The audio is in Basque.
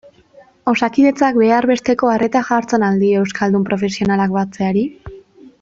Osakidetzak behar besteko arreta jartzen al dio euskaldun profesionalak batzeari?